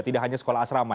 tidak hanya sekolah asrama